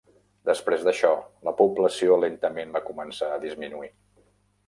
Després d'això, la població lentament va començar a disminuir.